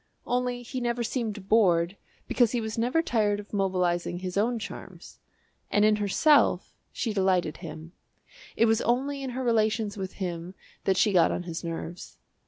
Only he never seemed bored because he was never tired of mobilising his own charms. And in herself, she delighted him it was only in her relations with him that she got on his nerves.